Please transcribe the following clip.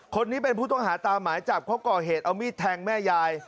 คนนี้เป็นผู้ต้องหาตามหมายจับเขาก่อเหตุเอามีดแทงแม่ยาย